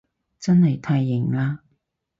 真係太型喇